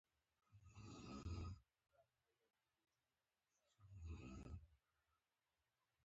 ما نه شو کولای داسې ژر ستا نوم په ژبه راوړم.